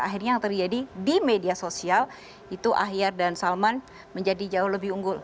akhirnya yang terjadi di media sosial itu ahyar dan salman menjadi jauh lebih unggul